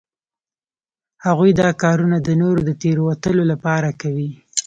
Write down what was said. هغوی دا کارونه د نورو د تیروتلو لپاره کوي